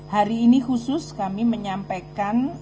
hari ini khusus kami menyampaikan